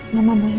mama boleh lihat